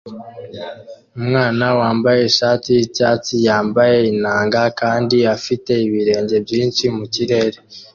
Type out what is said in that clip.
Umwana wambaye ishati yicyatsi yambaye inanga kandi afite ibirenge byinshi mukirere